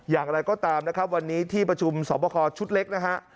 อย่างไรก็ตามนะครับวันนี้ที่ประชุมสอบคอชุดเล็กนะฮะ